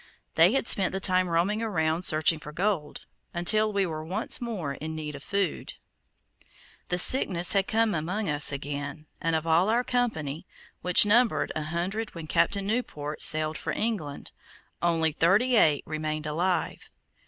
They had spent the time roaming around searching for gold, until we were once more in need of food. The sickness had come among us again, and of all our company, which numbered an hundred when Captain Newport sailed for England, only thirty eight remained alive.